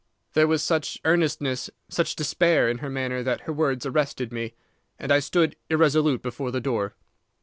"There was such earnestness, such despair, in her manner that her words arrested me, and I stood irresolute before the door.